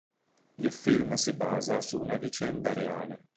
Il film si basa su una vicenda reale.